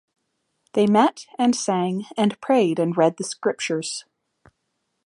They met, and sang, and prayed and read the Scriptures.